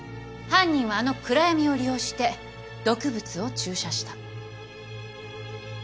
犯人はあの暗闇を利用して毒物を注射した。